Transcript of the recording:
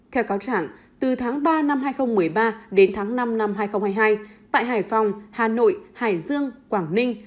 theo cáo trạng từ tháng ba năm hai nghìn một mươi ba đến tháng năm năm hai nghìn hai mươi hai tại hải phòng hà nội hải dương quảng ninh